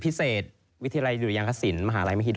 พิเศษวิทยาลัยอยู่ระยะยางศรี